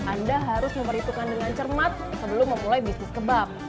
anda harus memperhitungkan dengan cermat sebelum memulai bisnis kebab